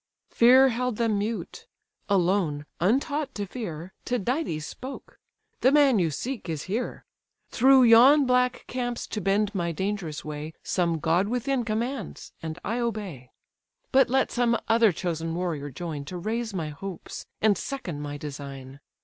Fear held them mute: alone, untaught to fear, Tydides spoke—"The man you seek is here. Through yon black camps to bend my dangerous way, Some god within commands, and I obey. But let some other chosen warrior join, To raise my hopes, and second my design.